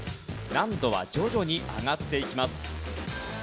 難度は徐々に上がっていきます。